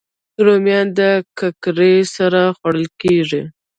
رومیان د ککرې سره خوړل کېږي